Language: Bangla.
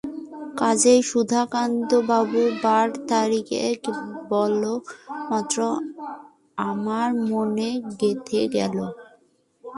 কাজেই সুধাকান্তবাবু বার তারিখ বলমাত্র আমার মনে গেঁথে গেল।